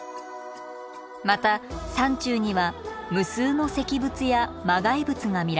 また山中には無数の石仏や磨崖仏が見られます。